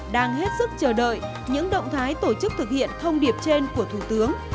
đang hết sức chờ đợi những động thái tổ chức thực hiện thông điệp trên của thủ tướng